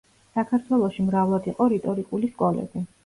საქართველოში მრავლად იყო რიტორიკული სკოლები.